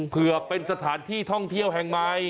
เพื่อเป็นสถานที่ท่องเที่ยวแห่งใหม่